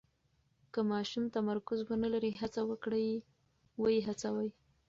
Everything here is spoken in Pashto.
که ماشوم تمرکز ونلري، هڅه وکړئ یې هڅوئ.